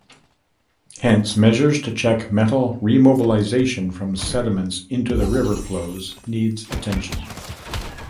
Hence, measures to check metal re-mobilization from sediments into the river flows needs attention.